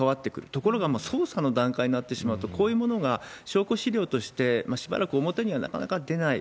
ところが、捜査の段階になってしまうと、こういうものが証拠資料としてしばらく表にはなかなか出ない。